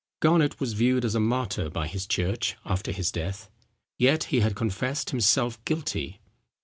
Garnet was viewed as a martyr by his church after his death. Yet he had confessed himself guilty.